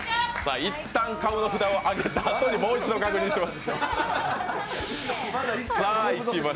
一旦買うの札を上げたあとにもう一度確認しています。